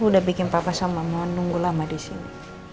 udah bikin papa sama mau nunggu lama di sini